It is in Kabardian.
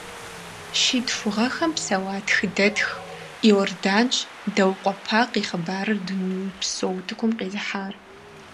Щитху гъэхэм псэуа тхыдэтх Иорданщ Даукъуэ Пакъ и хъыбарыр дунейпсо утыкум къизыхьар.